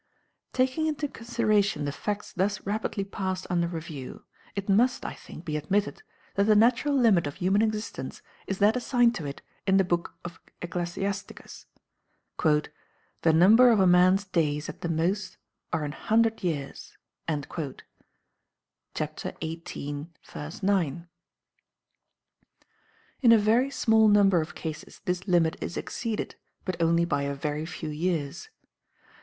Taking into consideration the facts thus rapidly passed under review, it must, I think, be admitted that the natural limit of human existence is that assigned to it in the book of Ecclesiasticus, "The number of a man's days at the most are an hundred years" (chapter xviii. 9). In a very small number of cases this limit is exceeded, but only by a very few years.